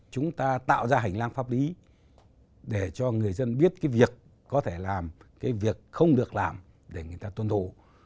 chúng ta tạo ra hành lang pháp lý để cho người dân biết cái việc có thể làm cái việc không được làm để người ta tuân thủ